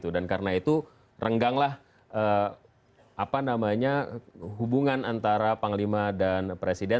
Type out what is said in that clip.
dan karena itu rengganglah hubungan antara panglima dan presiden